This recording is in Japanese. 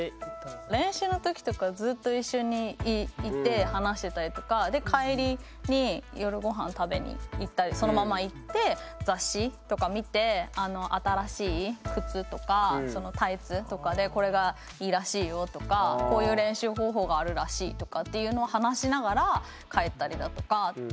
練習の時とかずっと一緒にいて話してたりとか帰りに夜ごはん食べに行ったりそのまま行って雑誌とか見て新しい靴とかタイツとかでこれがいいらしいよとかこういう練習方法があるらしいとかっていうのを話しながら帰ったりだとか。